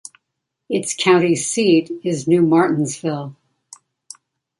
Its county seat is New Martinsville.